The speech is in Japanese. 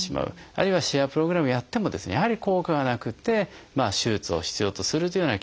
あるいはシェアプログラムをやってもやはり効果がなくて手術を必要とするというようなケースもあるんですね。